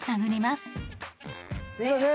すいません。